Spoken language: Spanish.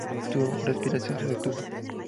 Su respiración se detuvo.